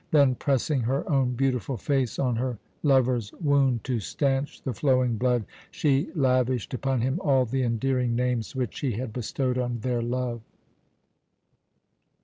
Then, pressing her own beautiful face on her lover's wound to stanch the flowing blood, she lavished upon him all the endearing names which she had bestowed on their love.